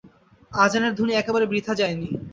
আজানের ধ্বনি একেবারে বৃথা যায় নি।